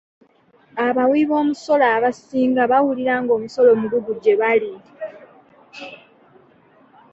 Abawiboomisolo abasinga bawulira ng'omusolo mugugu gye bali.